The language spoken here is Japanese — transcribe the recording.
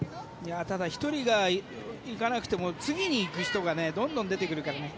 ただ、１人が行かなくても次に行く人がどんどん出てくるからね